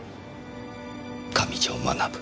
「上条学」。